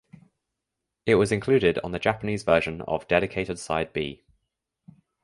It was included on the Japanese version of "Dedicated Side B".